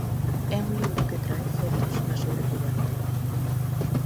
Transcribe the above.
É un libro que trae fotos na sobrecuberta.